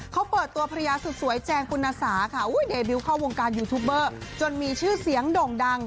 เขาเปิดตัวภรรยาสุดสวยแจงปุณสาค่ะเดบิวเข้าวงการยูทูปเบอร์จนมีชื่อเสียงโด่งดัง